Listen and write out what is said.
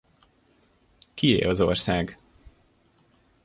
Kié az ország?